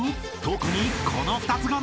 ［特にこの２つが］